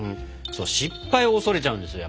失敗を恐れちゃうんですよ